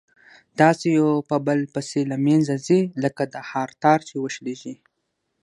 داسي يو په بل پسي له منځه ځي لكه د هار تار چي وشلېږي